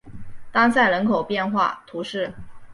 当塞人口变化图示